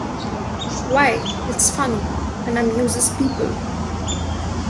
Why, it's funny, and amuses people.